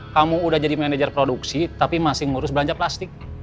kamu udah jadi manajer produksi tapi masih ngurus belanja plastik